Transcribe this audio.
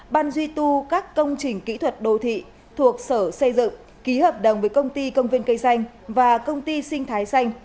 ban duy tu các công trình kỹ thuật đô thị thuộc sở xây dựng ký hợp đồng với công ty công viên cây xanh và công ty sinh thái xanh